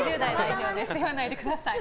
言わないでください。